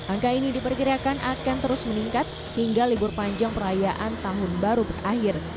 angka ini diperkirakan akan terus meningkat hingga libur panjang perayaan tahun baru berakhir